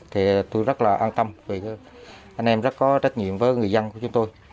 thì tôi rất là an tâm vì anh em rất có trách nhiệm với người dân của chúng tôi